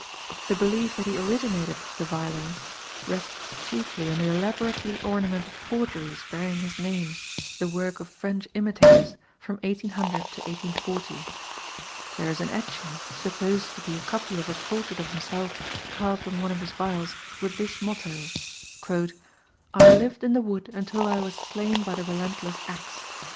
The belief that he originated the violin rests chiefly on the elaborately ornamented forgeries bearing his name, the work of French imitators from 1800 to 1840. There is an etching, supposed to be a copy of a portrait of himself carved on one of his viols with this motto: "I lived in the wood until I was slain by the relentless axe.